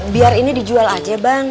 biar ini dijual aja bang